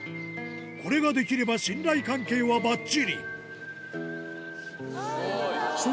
これができれば信頼関係はバッチリあぁいけた。